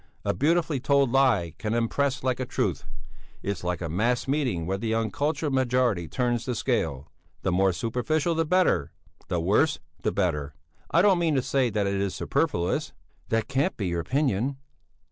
A beautifully told lie can impress like a truth! It's like a mass meeting where the uncultured majority turns the scale. The more superficial the better the worse, the better! I don't mean to say that it is superfluous." "That can't be your opinion!"